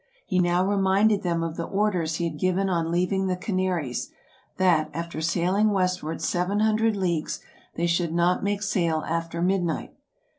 He now reminded them of the orders he had given on leaving the Canaries, that, after sailing westward seven hundred leagues, they should not make sail after midnight.